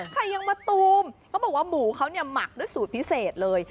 ไข่ยังมาตูมเขาบอกว่าหมูเขามักได้สูตรพิเศษเลย